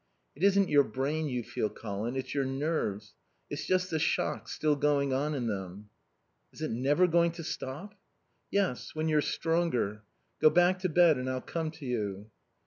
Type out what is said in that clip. "It isn't your brain you feel, Colin. It's your nerves. It's just the shock still going on in them." "Is it never going to stop?" "Yes, when you're stronger. Go back to bed and I'll come to you."